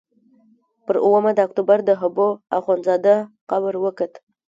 پر اوومه د اکتوبر د حبو اخندزاده قبر وکت.